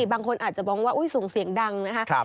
บางคนอาจจะบอกว่าอุ๊ยสูงเสียงดังนะครับ